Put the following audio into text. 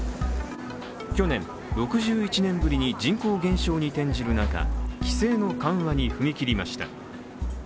去年、６１年ぶりに人口減少に転じる中、規制の緩和に踏み切りました。